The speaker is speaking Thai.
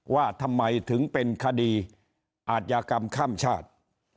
ว่าทำไมถึงเป็นคดีอาจยากรรมข้ามชาติ